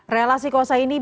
relasi kawasan ini